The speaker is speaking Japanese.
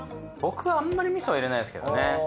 僕はあんまりみそは入れないですけどね。